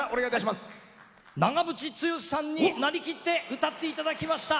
長渕剛さんになりきって歌っていただきました